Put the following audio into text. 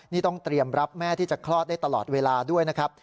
นี่ต้องเตรียมรับแม่ที่จะคลอดได้ตลอดเวลาด้วยนะครับ